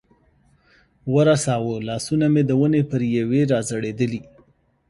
ورساوه، لاسونه مې د ونې پر یوې را ځړېدلې.